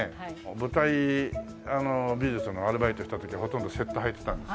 舞台美術のアルバイトした時はほとんど雪駄履いてたんです。